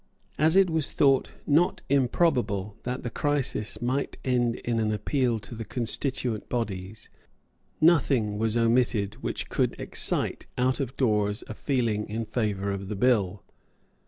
As it was thought not improbable that the crisis might end in an appeal to the constituent bodies, nothing was omitted which could excite out of doors a feeling in favour of the bill.